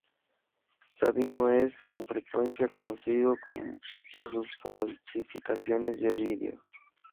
Sabino es, con frecuencia, conocido por sus falsificaciones de Ovidio.